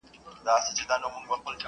چي تا ویني همېشه به کښته ګوري!